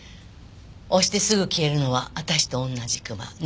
押してすぐ消えるのは私と同じクマ。